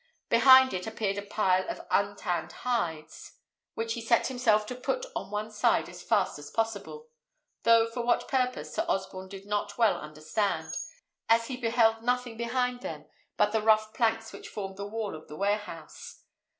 Behind this appeared a pile of untanned hides, which he set himself to put on one side as fast as possible, though for what purpose Sir Osborne did not well understand, as he beheld nothing behind them but the rough planks which formed the wall of the warehouse.